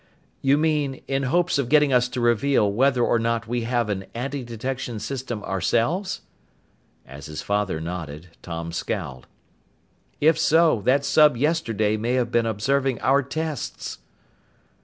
"You mean in hopes of getting us to reveal whether or not we have an antidetection system ourselves?" As his father nodded, Tom scowled. "If so, that sub yesterday may have been observing our tests."